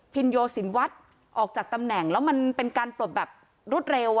พิญโยศิลปิงวัตน์ออกจากตำแหน่งแล้วเป็นการปลดแบบรูดเร็ว